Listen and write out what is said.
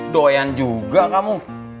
doyan juga kamu